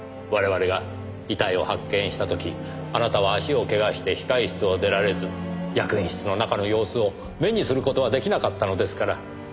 我々が遺体を発見した時あなたは足をけがして控室を出られず役員室の中の様子を目にする事は出来なかったのですから。